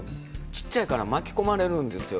ちっちゃいから巻き込まれるんですよ